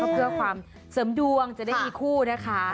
เพื่อความเสริมดวงจะได้มีคู่นะคะ